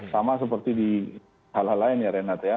sama seperti di hal hal lain ya renat ya